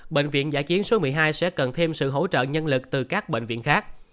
bệnh viện giã chiến số một mươi hai sẽ cần thêm sự hỗ trợ nhân lực từ các bệnh viện khác